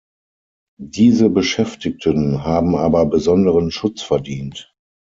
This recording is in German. Diese Beschäftigten haben aber besonderen Schutz verdient.